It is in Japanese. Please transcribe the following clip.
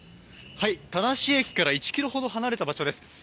田無駅から１ｋｍほど離れた場所です。